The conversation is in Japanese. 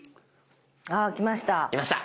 あ来ました。